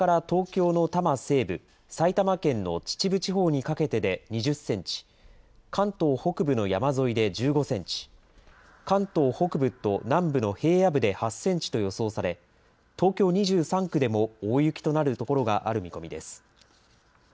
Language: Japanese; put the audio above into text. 東京の多摩西部、埼玉県の秩父地方にかけてで２０センチ、関東北部の山沿いで１５センチ、関東北部と南部の平野部で８センチと予想され、東京２３区でも大雪となる所がある見込みです。